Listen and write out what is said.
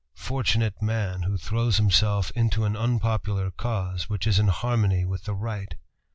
Fortunate man who throws himself into an unpopular cause which is in harmony with the Right!